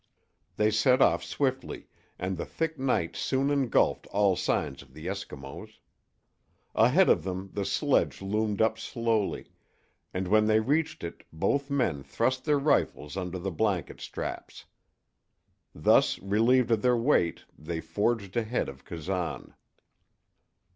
They set off swiftly, and the thick night soon engulfed all signs of the Eskimos. Ahead of them the sledge loomed up slowly, and when they reached it both men thrust their rifles under the blanket straps. Thus relieved of their weight, they forged ahead of Kazan.